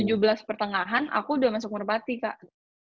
nah dua ribu tujuh belas pertengahan aku udah masuk merpati kak